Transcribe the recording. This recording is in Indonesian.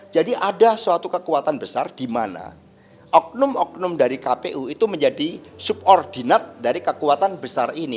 jadi ada suatu kekuatan besar di mana oknum oknum dari kpu itu menjadi subordinate dari kekuatan besar ini